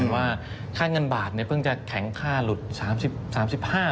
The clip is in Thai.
ว่าค่าเงินบาทเนี่ยเพิ่งจะแข็งค่าหลุด๓๕ลงมาใช่มั้ย๓๔